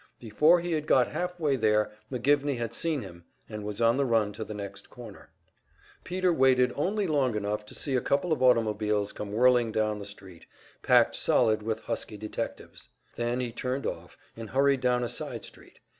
Before he had got half way there McGivney had seen him, and was on the run to the next corner. Peter waited only long enough to see a couple of automobiles come whirling down the street, packed solid with husky detectives. Then he turned off and hurried down a side street.